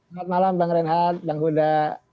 selamat malam bang renhad bang uda